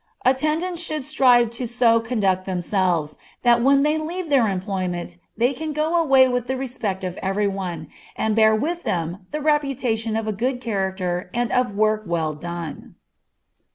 Attendants should strive to so conduct themselves, that when they leave their employment they can go away with the respect of every one, and bear with them the reputation of a good character and of work well done.